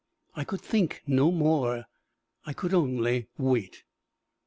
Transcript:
I could think no more; I could only wait.